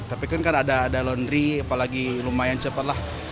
tapi kan kan ada laundry apalagi lumayan cepat lah